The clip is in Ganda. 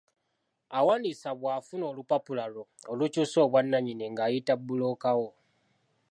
Awandiisa bw'afuna olupapula lwo olukyusa obwanannyini ng'ayita bbulooka wo.